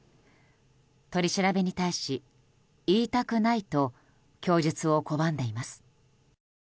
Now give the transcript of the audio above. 取り調べに対し、言いたくないと供述を拒んでいます。